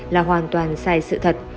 là hoàn toàn sai sự thật